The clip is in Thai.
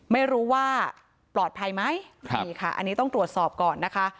ไม่รู้ว่าปลอดภัยไหมอันนี้ต้องตรวจสอบก่อน